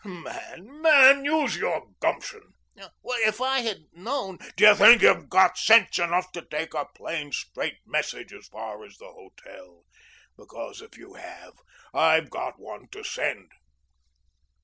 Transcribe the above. Man, man, use your gumption." "If I had known " "D'ye think you've got sense enough to take a plain, straight message as far as the hotel? Because if you have, I've got one to send."